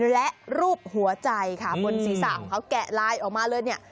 และรูปหัวใจค่ะบนสีสาวเขาแกะลายออกมาเลย